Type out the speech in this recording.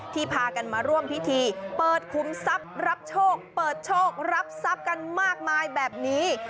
พากันมาร่วมพิธีเปิดคุมทรัพย์รับโชคเปิดโชครับทรัพย์กันมากมายแบบนี้